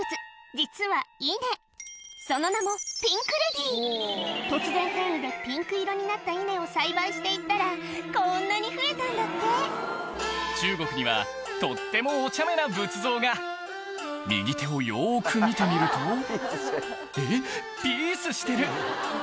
実は稲その名も突然変異でピンク色になった稲を栽培して行ったらこんなに増えたんだって中国にはとってもおちゃめな仏像が右手をよく見てみるとえっピースしてる！